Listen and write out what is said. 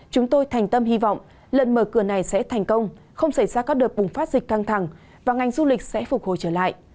chúng tôi thành tâm hy vọng lần mở cửa này sẽ thành công không xảy ra các đợt bùng phát dịch căng thẳng và ngành du lịch sẽ phục hồi trở lại